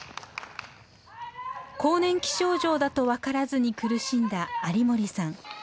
更年期症状だと分からずに苦しんだ有森さん。